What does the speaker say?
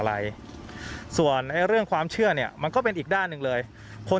อะไรส่วนไอ้เรื่องความเชื่อเนี่ยมันก็เป็นอีกด้านหนึ่งเลยคน